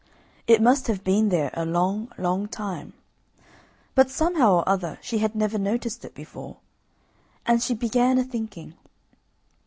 It must have been there a long, long time, but somehow or other she had never noticed it before, and she began a thinking.